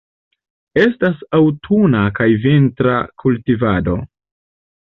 Estas aŭtuna kaj vintra kultivado.